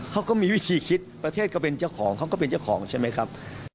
เขาก็มีวิธีคิดประเทศก็เป็นเจ้าของเขาก็เป็นเจ้าของใช่ไหมครับ